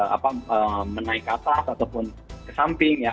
apa menaik atas ataupun kesamping ya